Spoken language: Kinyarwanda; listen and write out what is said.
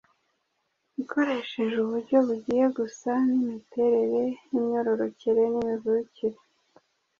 ikoresheje uburyo bugiye gusa “n’imiterere y’imyororokere n’imivukire.”